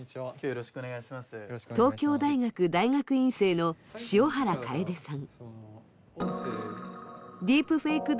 東京大学大学院生の塩原楓さん。